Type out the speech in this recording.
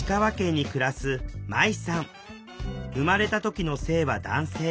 生まれた時の性は男性。